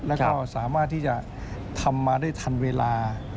แล้วก็สามารถที่จะทำมาได้ทันเวลา